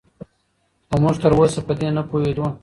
خو موږ تراوسه په دې نه پوهېدو